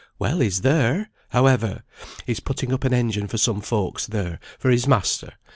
"Well, he's there, however; he's putting up an engine for some folks there, for his master.